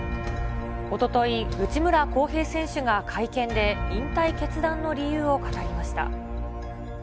おととい、内村航平選手が会見で、引退決断の理由を語りました。